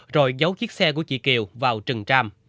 rồi giấu chiếc xe của chị kiều vào trừng tra